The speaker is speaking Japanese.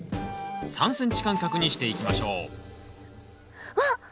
３ｃｍ間隔にしていきましょうわっ！